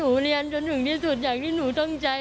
หนูเรียนจนหนึ่งที่สุดอย่างที่หนูต้องจัย